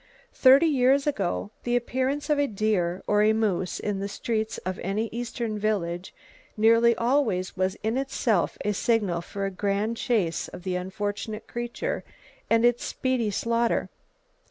Thirty years ago, the appearance of a deer or moose in the streets of any eastern village nearly always was in itself a signal for a grand chase of the unfortunate creature, and its speedy slaughter.